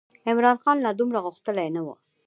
عمرا خان لا دومره غښتلی نه و.